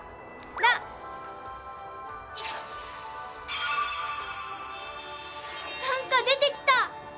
なんか出てきた！